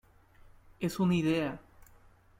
es una idea.